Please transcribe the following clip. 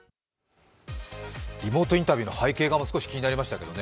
リモートインタビューの背景画も気になりましたけどね。